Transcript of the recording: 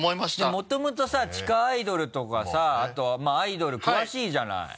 もともとさ地下アイドルとかさあとアイドル詳しいじゃない。